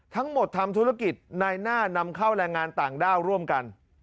ทั้งหมดทำธุรกิจในหน้านำเข้าแรงงานต่างด้าวร่วมกัน